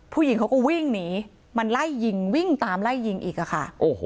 ผู้หญิงเขาก็วิ่งหนีมันไล่ยิงวิ่งตามไล่ยิงอีกอะค่ะ